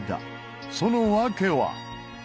その訳は？